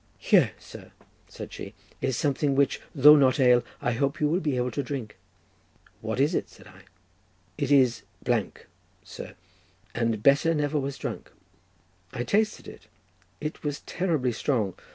"Here, sir," said she, "is something which, though not ale, I hope you will be able to drink." "What is it?" said I. "It is—, sir; and better never was drunk." I tasted it; it was terribly strong.